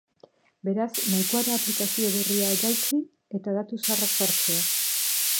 Beraz, nahikoa da aplikazio berria jaitsi, eta datu zaharrak sartzea.